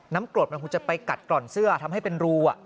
กรดมันคงจะไปกัดกร่อนเสื้อทำให้เป็นรู